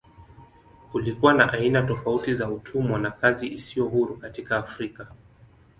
Kulikuwa na aina tofauti za utumwa na kazi isiyo huru katika Afrika.